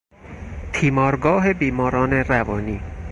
تیمارگاه بیماران روانی